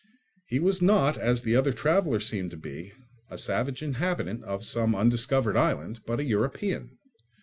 He was not, as the other traveller seemed to be, a savage inhabitant of some undiscovered island, but a European.